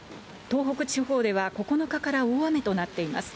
東北地方では９日から大雨となっています。